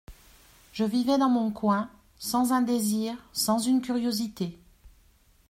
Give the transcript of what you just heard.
Je vivais dans mon coin, sans un désir, sans une curiosité.